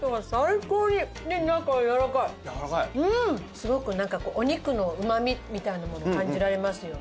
すごくなんかこうお肉のうまみみたいなものを感じられますよね。